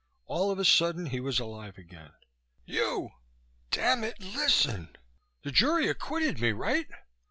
All of a sudden he was alive again. "You, damn it. Listen! The jury acquitted me, right?"